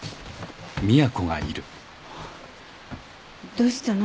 ・どうしたの？